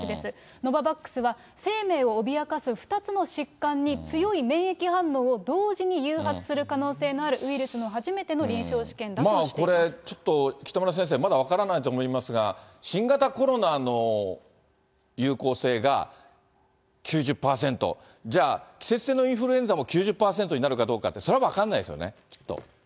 ノババックスは、生命を脅かす２つの疾患に、強い免疫反応を同時に誘発する可能性のあるウイルスの初めての臨これ、ちょっと北村先生、まだ分からないと思いますが、新型コロナの有効性が９０％、じゃあ季節性のインフルエンザも９０％になるかどうかって、それそれは分からないです。